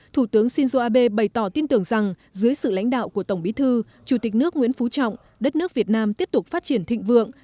thủ tướng shinzo abe bày tỏ tin tưởng rằng dưới sự lãnh đạo của tổng bí thư chủ tịch nước nguyễn phú trọng đất nước việt nam tiếp tục phát triển thịnh vượng